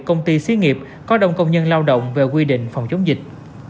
công ty xí nghiệp có đông công nhân lao động về quy định phòng chống dịch